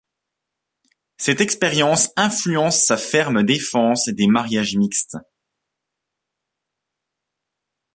Cette expérience influence sa ferme défense des mariages mixtes.